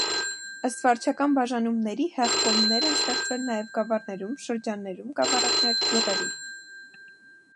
Ըստ վարչական բաժանումների՝ հեղկոմներ են ստեղծվել նաև գավառներում, շրջաններում (գավառակներ), գյուղերում։